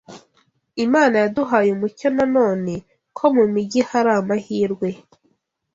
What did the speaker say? Imana yaduhaye umucyo na none ko mu mijyi hari amahirwe